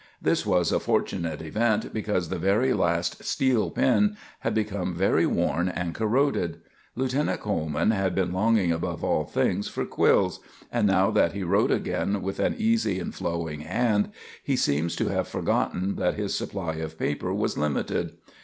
This was a fortunate event, because the very last steel pen had become very worn and corroded. Lieutenant Coleman had been longing above all things for quills, and now that he wrote again with an easy and flowing hand, he seems to have forgotten that his supply of paper was limited.